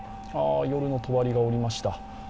夜のとばりがおりました。